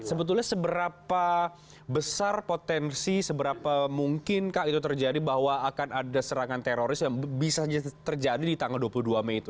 sebetulnya seberapa besar potensi seberapa mungkinkah itu terjadi bahwa akan ada serangan teroris yang bisa terjadi di tanggal dua puluh dua mei itu